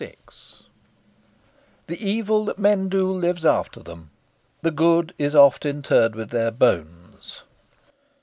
VI "The evil that men do lives after them; the good is oft interred with their bones."